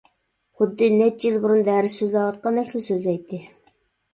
خۇددى نەچچە يىل بۇرۇن دەرس سۆزلەۋاتقاندەكلا سۆزلەيتتى.